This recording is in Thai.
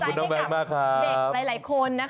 เป็นแรงบันดาลใจให้กับเด็กหลายคนนะคะ